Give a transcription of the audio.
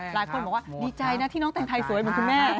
หลายคนบอกว่าดีใจนะที่น้องแต่งไทยสวยเหมือนคุณแม่